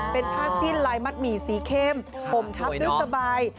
เป็นผ้าสิ้นลายมัดหมี่สีเข้มผมทับด้วยสบาย